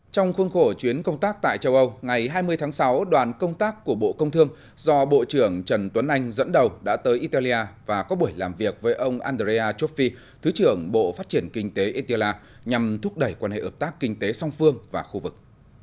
trong khuôn khổ chuyến công tác tại châu âu ngày hai mươi tháng sáu đoàn công tác của bộ công thương do bộ trưởng trần tuấn anh dẫn đầu đã tới italia và có buổi làm việc với ông andrea trofi thứ trưởng bộ phát triển kinh tế etiola nhằm thúc đẩy quan hệ ợp tác kinh tế song phương và khu vực